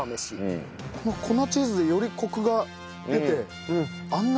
この粉チーズでよりコクが出てあんな